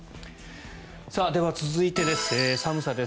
では、続いてです。